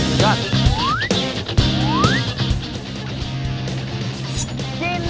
กินล้างบาง